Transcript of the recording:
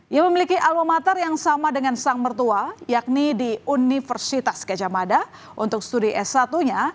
ia memiliki alomater yang sama dengan sang mertua yakni di universitas kejamada untuk studi s satu nya